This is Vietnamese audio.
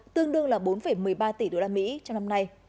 tương đương là bốn một mươi ba tỷ đô la mỹ trong năm nay